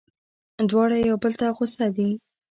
دواړه یو بل ته غوسه دي.